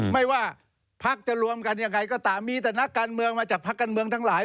ไม่ว่าพักจะรวมกันยังไงก็ตามมีแต่นักการเมืองมาจากพักการเมืองทั้งหลาย